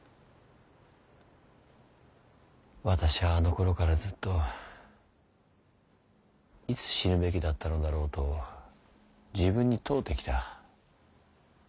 私はあのころからずっといつ死ぬべきだったのだろうと自分に問うてきた。